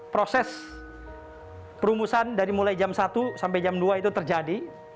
proses perumusan dari mulai jam satu sampai jam dua itu terjadi